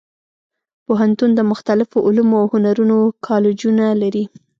پوهنتون د مختلفو علومو او هنرونو کالجونه لري.